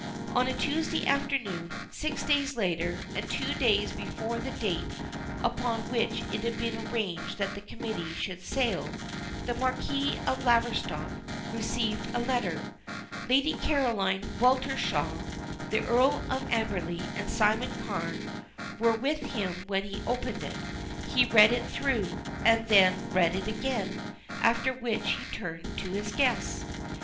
On a Tuesday afternoon, six days later, and two days before the date upon which it had been arranged that the committee should sail, the Marquis of Laverstock received a letter. Lady Caroline Weltershall, the Earl of Amberley, and Simon Carne were with him when he opened it. He read it through, and then read it again, after which he turned to his guests.